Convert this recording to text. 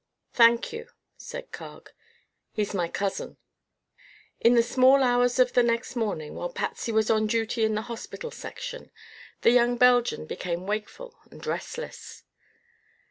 "Thank you," said Carg; "he's my cousin." In the small hours of the next morning, while Patsy was on duty in the hospital section, the young Belgian became wakeful and restless.